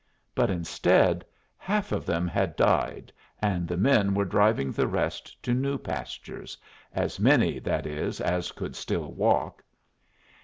But, instead, half of them had died, and the men were driving the rest to new pastures as many, that is, as could still walk.